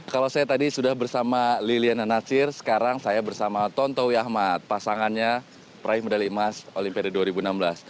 kalau saya tadi sudah bersama liliana natsir sekarang saya bersama tontowi ahmad pasangannya peraih medali emas olimpiade dua ribu enam belas